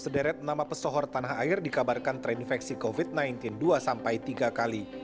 sederet nama pesohor tanah air dikabarkan terinfeksi covid sembilan belas dua sampai tiga kali